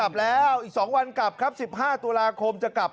บางคนก็ยังไม่ตื่นแบบสีรถเข้ามาปลูกเลยครับ